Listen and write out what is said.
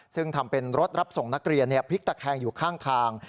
ซึ่งทำเป็นรถรับส่งนักเรียนพลิกตะแคงอยู่ข้างทาง